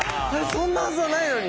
そんなはずはないのに。